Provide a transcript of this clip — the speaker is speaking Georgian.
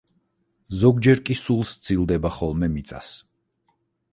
ზოგჯერ კი სულ სცილდება ხოლმე მიწას.